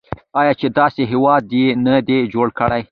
آیا چې داسې هیواد یې نه دی جوړ کړی؟